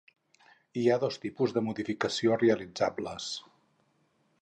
Hi ha dos tipus de modificació realitzables.